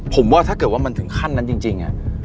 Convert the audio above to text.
ผมว่าถ้าเกิดว่ามันถึงขั้นนั้นจริง